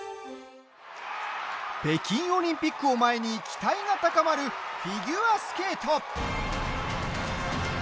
北京オリンピックを前に期待が高まるフィギュアスケート。